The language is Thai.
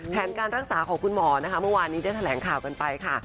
การรักษาของคุณหมอนะคะเมื่อวานนี้ได้แถลงข่าวกันไปค่ะ